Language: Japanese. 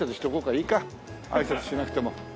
いいかあいさつしなくても。